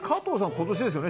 今年ですよね？